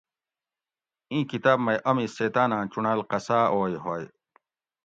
اِیں کتاب مئی امی سیتاۤناۤں چُنڑال قصاۤ اوئے ہوئے